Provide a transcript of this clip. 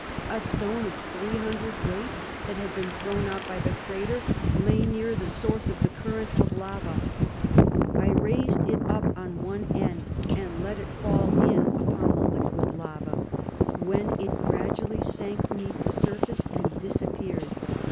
A stone of three hundred weight that had been thrown out by the crater, lay near the source of the current of lava. I raised it up on one end and then let it fall in upon the liquid lava, when it gradually sank beneath the surface and disappeared.